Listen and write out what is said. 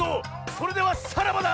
それではさらばだ！